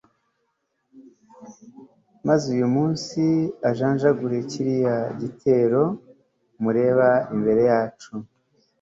maze uyu munsi ajanjagure kiriya gitero mureba imbere yacu